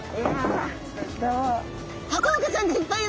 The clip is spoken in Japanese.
ハコフグちゃんがいっぱいいる！